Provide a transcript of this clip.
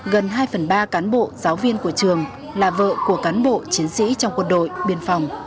gần hai phần ba cán bộ giáo viên của trường là vợ của cán bộ chiến sĩ trong quân đội biên phòng